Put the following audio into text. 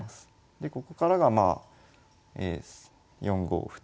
でここからがまあ４五歩と。